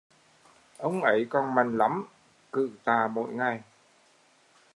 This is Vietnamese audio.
Ông ấy còn mạnh lắm, cử tạ mỗi ngày